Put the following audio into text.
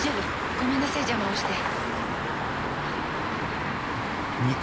ごめんなさい邪魔をして。